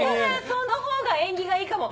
そのほうが縁起がいいかも。